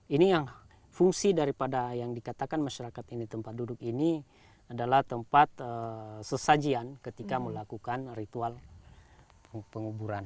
ini yang fungsi daripada yang dikatakan masyarakat ini tempat duduk ini adalah tempat sesajian ketika melakukan ritual penguburan